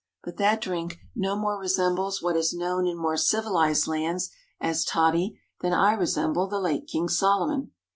But that drink no more resembles what is known in more civilised lands as toddy than I resemble the late king Solomon.